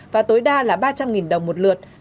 và tối đa là ba trăm linh đồng một lượt